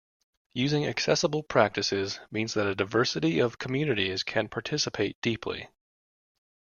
Using accessible practices means that a diversity of communities can participate deeply.